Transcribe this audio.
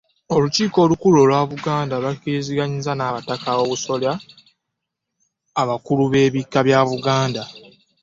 Olukiiko olukulu olwa Buganda lwakkiriziganya n'abataka ab'obusolya abakulu b'ebika bya Buganda.